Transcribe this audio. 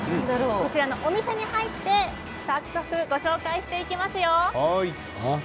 こちらのお店に入って早速ご紹介していきますよ。